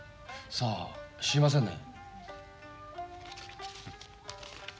さあ知りませんね。